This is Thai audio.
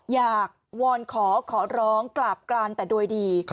วอนขอขอร้องกราบกรานแต่โดยดี